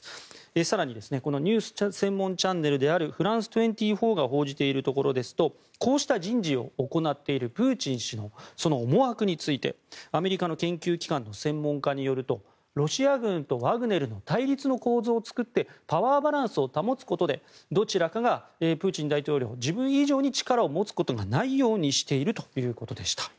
更にニュース専門チャンネルであるフランス２４が報じているところですとこうした人事を行っているプーチン氏の思惑についてアメリカの研究機関の専門家によるとロシア軍とワグネルの対立の構図を作ってパワーバランスを保つことでどちらかがプーチン大統領の自分以上に力を持つことがないようにしているということでした。